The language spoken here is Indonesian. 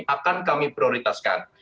akan kami prioritaskan